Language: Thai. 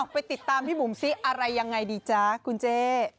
ไปติดตามพี่บุ๋มซิอะไรยังไงดีจ๊ะคุณเจ๊